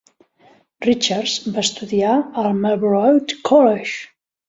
Richards va estudiar al Marlborough College.